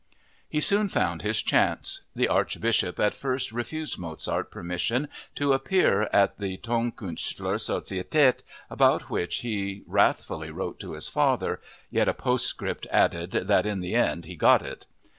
He soon found his chance. The archbishop at first refused Mozart permission to appear at the Tonkünstler Societät, about which he wrathfully wrote to his father (yet a postscript added that, in the end, he got it).